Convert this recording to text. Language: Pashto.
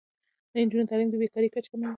د نجونو تعلیم د بې کارۍ کچه کموي.